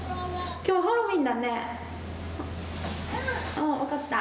うんわかった。